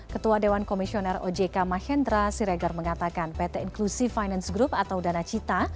ketua dewan komisioner ojk mahendra siregar mengatakan pt inklusi finance group atau dana cita